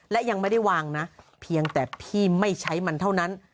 และยังไม่ได้วางนะเพียงแต่พี่ไม่ใช้มันเท่านั้น